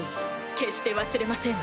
決して忘れませんわ。